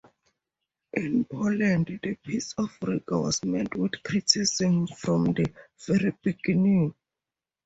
In Poland, the Peace of Riga was met with criticism from the very beginning.